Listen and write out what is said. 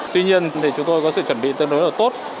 tuy nhiên thì chúng tôi có sự chuẩn bị tương đối là tốt